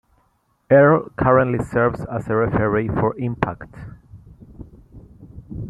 Earl currently serves as a referee for Impact.